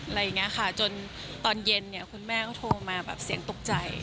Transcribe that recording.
อะไรอย่างนี้ค่ะจนตอนเย็นเนี่ยคุณแม่ก็โทรมาแบบเสียงตกใจ